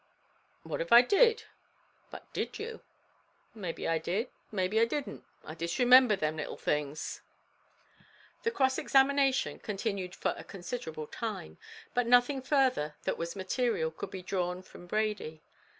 "What av I did?" "But did you?" "Maybe I did maybe I didn't; I disremember thim little things." The cross examination continued for a considerable time; but nothing further that was material could be drawn from Brady.